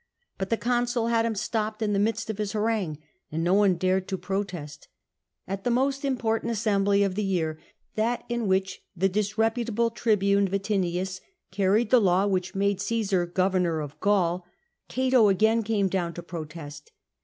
But the consul had him stopped in the midst of his harangue, and no one dared to protest. At the most important assembly of the year, that in which the dis reputable tribune Vatinius carried the law which made Caesar governor of Gaul, Cato again came down to protest.